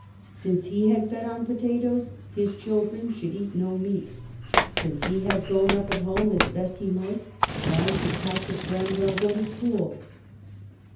Since he had fed on potatoes, his chil dren should eat no meat. Since he had grown up at home as best he might, why should Patrick Branwell go to school